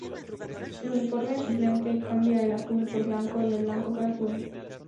El uniforme suplente cambia el azul por blanco y el blanco por azul.